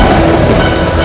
itu udah gila